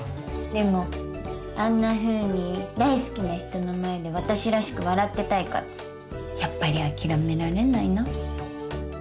でもあんなふうに大好きな人の前で私らしく笑ってたいからやっぱり諦められないな。